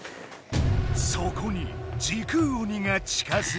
そこに時空鬼が近づく。